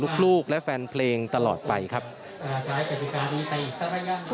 และก็มีการกินยาละลายริ่มเลือดแล้วก็ยาละลายขายมันมาเลยตลอดครับ